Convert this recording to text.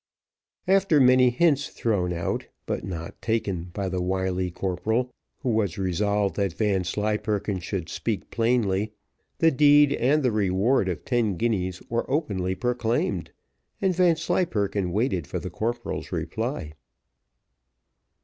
After many hints thrown out, but not taken by the wily corporal, who was resolved that Vanslyperken should speak plainly, the deed and the reward of ten guineas were openly proclaimed, and Vanslyperken waited for the corporal's reply.